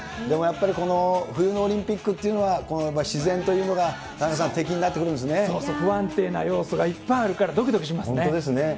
でもやっぱりこの冬のオリンピックっていうのは、自然というのが、田中さん、敵になってくるんです不安定な要素がいっぱいある本当ですね。